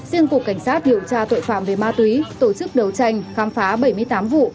riêng cục cảnh sát điều tra tội phạm về ma túy tổ chức đấu tranh khám phá bảy mươi tám vụ